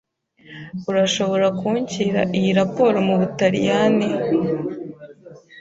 Urashobora kunshyira iyi raporo mubutaliyani?